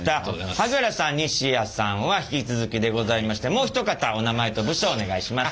萩原さん西谷さんは引き続きでございましてもう一方お名前と部署をお願いします。